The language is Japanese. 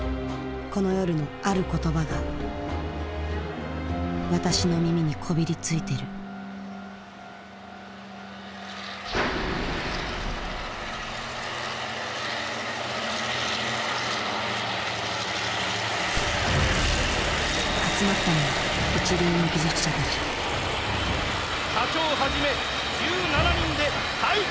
この夜のある言葉が私の耳にこびりついてる集まったのは一流の技術者たち社長はじめ１７人で大挙襲来！